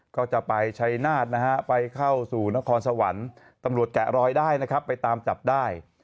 ก็จะไปใช้นาฏไปเข้าสู่นครสวรรค์ตำรวจแกะรอยได้ไปตามจับได้